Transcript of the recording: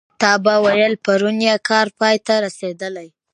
تا به ویل پرون یې کار پای ته رسېدلی.